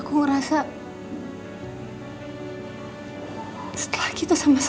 jadi kau jadi ikutan sendiri